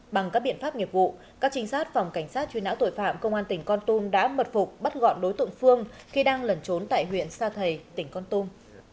bằng các biện pháp nghiệp vụ các trinh sát phòng cảnh sát truy nã tội phạm công an tỉnh con tum đã mật phục bắt gọn đối tượng phương khi đang lẩn trốn tại huyện sa thầy tỉnh con tum